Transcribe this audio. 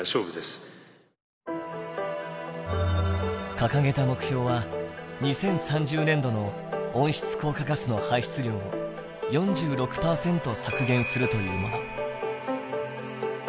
掲げた目標は２０３０年度の温室効果ガスの排出量を４６％削減するというもの。